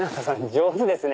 上手ですね。